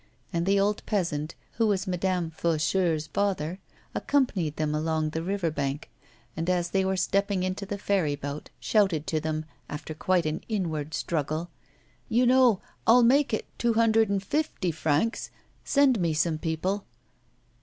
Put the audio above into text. And the old peasant, who was Madame Faucheur's father, accompanied them along the river bank, and as they were stepping into the ferry boat, shouted to them, after quite an inward struggle: 'You know, I'll make it two hundred and fifty francs send me some people.